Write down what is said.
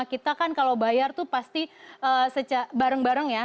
kita kan kalau bayar tuh pasti bareng bareng ya